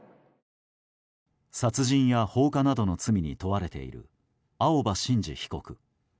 殺人や放火などの罪に問われている青葉真司被告。